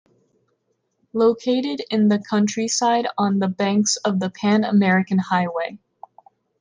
Located in the countryside on the banks of the Pan American Highway.